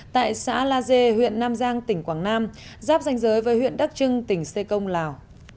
tại xã la dê huyện nam giang tỉnh quảng nam giáp danh giới với huyện đắc trưng tỉnh xê công lào